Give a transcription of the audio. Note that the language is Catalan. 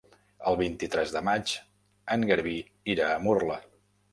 El vint-i-tres de maig en Garbí irà a Murla.